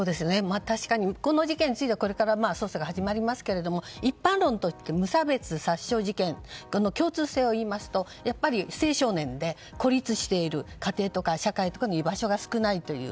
確かにこの事件についてはこれから捜査が始まりますが一般論として無差別殺傷事件共通点を言いますと青少年で孤立している、家庭とか社会に居場所が少ないという。